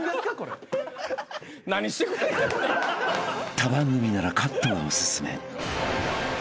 ［他番組ならカットがおすすめ］